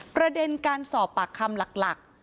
ประเด็นการสอบปากคำหลัก